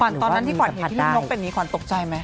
ขวัญตอนนั้นที่ขวัญเห็นพี่ลูกนกเป็นนี้ขวัญตกใจไหม